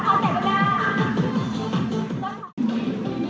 ตรงตรงตรงตรงตรงตรง